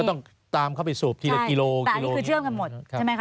ต้องตามเข้าไปสูบทีละกิโลแต่อันนี้คือเชื่อมกันหมดใช่ไหมคะ